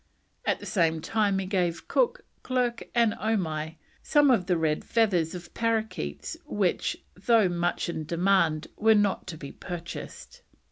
At the same time he gave Cook, Clerke, and Omai some of the red feathers of paraquets which, though much in demand, were not to be purchased.